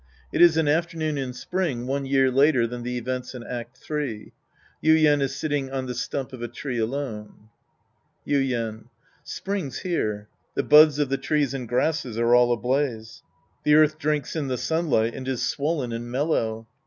It is an afternoon in spring one year later than the events in Act III. Yuien is sitting on the stump of a tree alone ^ Yuien. Spring's here. The buds of the trees and grasses are all ablaze. The earth drinks in the sun light and is swollen and mellow.